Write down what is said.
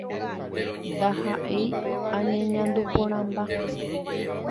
"Ndaha'éi añeñandu porãmba